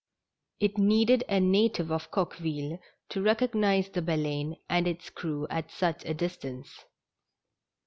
It needed a native of Coqueville to recog nize the Baleine and its crew at such a distance.